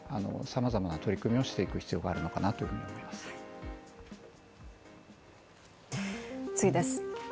様々な取り組みをしていく必要があるのかなというふうに思います